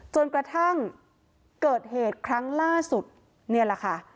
จนกระทั่งเกิดเหตุครั้งล่าสุดนี่แหละค่ะ